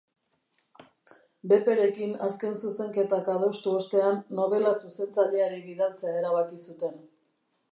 Bepperekin azken zuzenketak adostu ostean, nobela zuzentzaileari bidaltzea erabaki zuten.